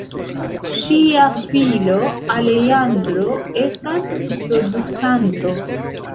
Ŝia filo Alejandro estas produktanto.